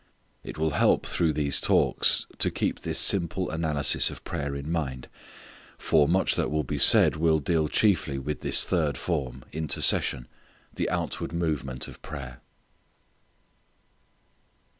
It will help through these talks to keep this simple analysis of prayer in mind. For much that will be said will deal chiefly with this third form, intercession, the outward movement of prayer.